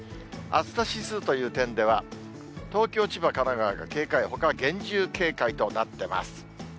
暑さ指数という点では、東京、千葉、神奈川が警戒、ほかは厳重警戒となってます。